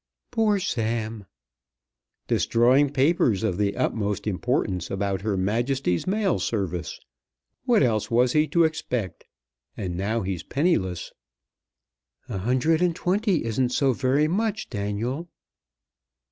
"Poor Sam!" "Destroying papers of the utmost importance about Her Majesty's Mail Service! What else was he to expect? And now he's penniless." "A hundred and twenty isn't so very much, Daniel."